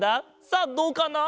さあどうかな？